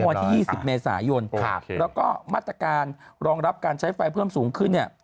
วันที่๒๐เมษายนแล้วก็มาตรการรองรับการใช้ไฟเพิ่มสูงขึ้นเนี่ย